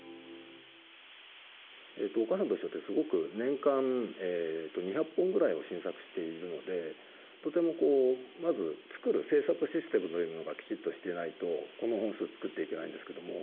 「おかあさんといっしょ」ってすごく年間２００本ぐらいを新作しているのでとてもまず作る制作システムというのがきちっとしていないとこの本数作っていけないんですけども。